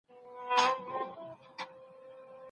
بهرنی کتابونه د علم د پراختیا لپاره مهم دي.